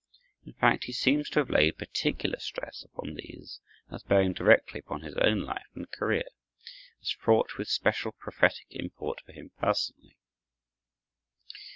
In fact, he seems to have laid particular stress upon these as bearing directly upon his own life and career, as fraught with special prophetic import for him personally.